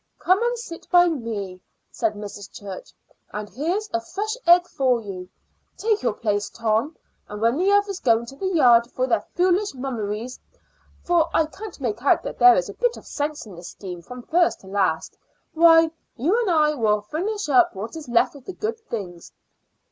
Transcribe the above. "Come and sit by me," said Mrs. Church. "And here's a fresh egg for you. Take your place, Tom; and when the others go into the yard for their foolish mummeries for I can't make out that there's a bit of sense in this scheme from first to last why, you and I will finish up what is left of the good things."